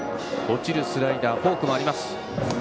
落ちるスライダーフォークもあります。